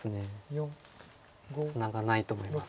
ツナがないと思います。